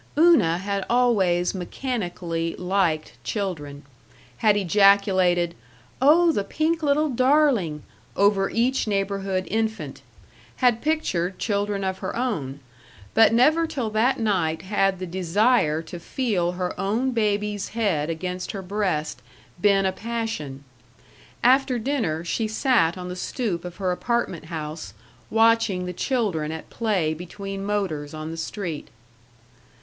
§ 2 Una had always mechanically liked children; had ejaculated, "Oh, the pink little darling!" over each neighborhood infant; had pictured children of her own; but never till that night had the desire to feel her own baby's head against her breast been a passion. After dinner she sat on the stoop of her apartment house, watching the children at play between motors on the street.